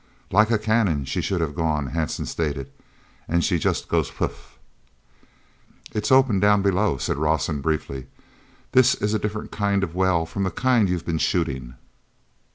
"Like a cannon, she should have gone," Hanson stated. "And she yoost go phht!" "It's open down below," said Rawson briefly. "This is a different kind of a well from the kind you've been shooting."